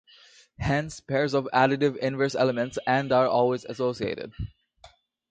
Hence, pairs of additive inverse elements and are always associated.